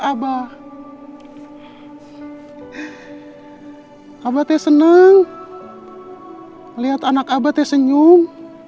abah senang lihat anak abah senyum